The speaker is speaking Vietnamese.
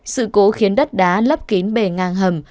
sự cố khiến đất đá lấp kín bề ngang hầm